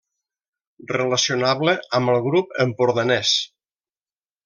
Relacionable amb el Grup Empordanès.